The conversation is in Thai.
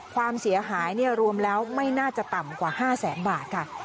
ความเสียหายรวมแล้วไม่น่าจะต่ำกว่า๕แสนบาทค่ะ